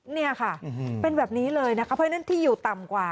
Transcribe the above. เนี่ยค่ะเป็นแบบนี้เลยนะคะเพราะฉะนั้นที่อยู่ต่ำกว่า